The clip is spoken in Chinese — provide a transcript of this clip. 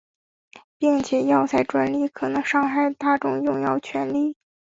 并且药材专利可能伤害大众用药权利。